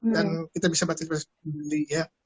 dan kita bisa batik batik beli ya